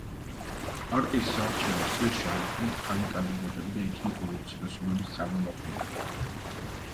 პარტიის საარჩევნო სიაში არ იყვნენ ქალი კანდიდატები და ეთნიკური უმცირესობების წარმომადგენლები.